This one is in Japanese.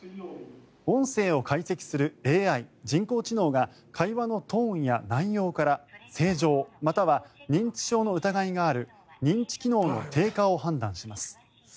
音声を解析するＡＩ・人工知能が会話のトーンや内容から正常、または認知症の疑いがある認知機能の低下を判断します。